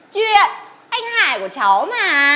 chuyện anh hải của cháu mà